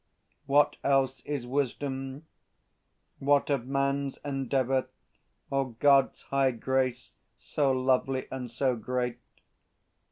What else is Wisdom? What of man's endeavour Or God's high grace, so lovely and so great?